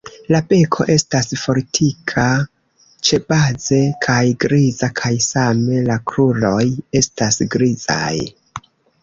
La beko estas fortika ĉebaze kaj griza kaj same la kruroj estas grizaj.